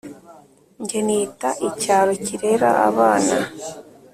njye nita i cyaro kirera abana